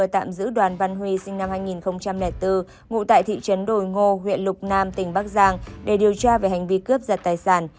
tạm giữ đoàn văn huy sinh năm hai nghìn bốn ngụ tại thị trấn đồi ngô huyện lục nam tỉnh bắc giang để điều tra về hành vi cướp giật tài sản